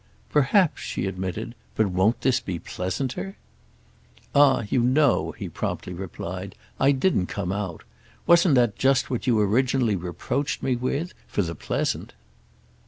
"Perhaps," she admitted. "But won't this be pleasanter?" "Ah you know," he promptly replied, "I didn't come out—wasn't that just what you originally reproached me with?—for the pleasant."